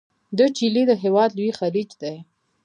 د چیلي د هیواد لوی خلیج دی.